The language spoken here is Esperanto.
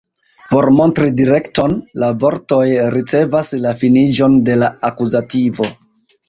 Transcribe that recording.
Por montri direkton, la vortoj ricevas la finiĝon de la akuzativo.